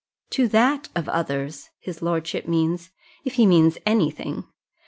"To that of others his lordship means, if he means any thing.